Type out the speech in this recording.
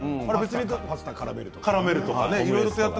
パスタからめるとか。